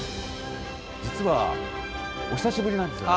実は、お久しぶりなんですよね。